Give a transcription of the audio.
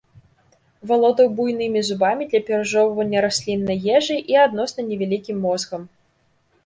Валодаў буйнымі зубамі для перажоўвання расліннай ежы і адносна невялікім мозгам.